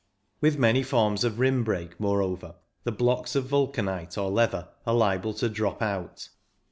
With many forms of rim brake, moreover, the blocks of vulcanite or leather are liable to drop out.